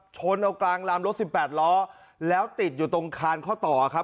ชนเอากลางรามรถสิบแปดล้อแล้วติดอยู่ตรงคานข้อต่อครับ